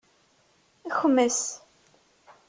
Kmes.